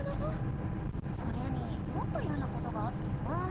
それにもっといやなことがあってさ。